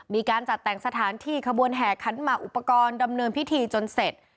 มีการจัดแต่งสถานที่ขบวนแห่ขันหมากอุปกรณ์ดำเนินพิธีจนเสร็จ